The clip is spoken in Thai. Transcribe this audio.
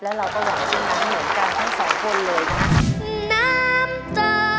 และเราก็หวังว่าจะร้องเหมือนกันทั้งสองคนเลย